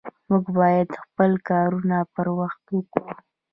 مونږ بايد خپل کارونه پر وخت وکړو